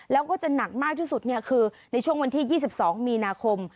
แล้วก็จะหนักมากที่สุดคือในช่วงวันที่๒๒มีนาคม